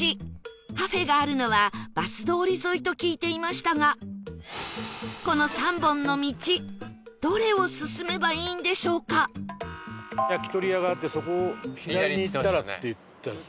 カフェがあるのはバス通り沿いと聞いていましたがこの「焼き鳥屋があってそこを左に行ったら」って言ってたんですよ。